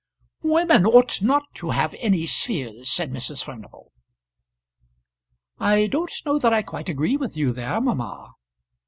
"Women ought not to have any spheres," said Mrs. Furnival. "I don't know that I quite agree with you there, mamma."